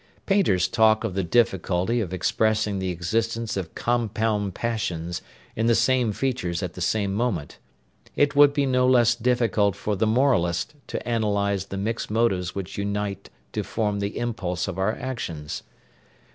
Painters talk of the difficulty of expressing the existence of compound passions in the same features at the same moment; it would be no less difficult for the moralist to analyse the mixed motives which unite to form the impulse of our actions.